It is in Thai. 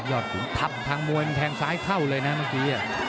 ขุนทัพทางมวยมันแทงซ้ายเข้าเลยนะเมื่อกี้